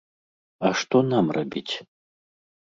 А што нам рабіць?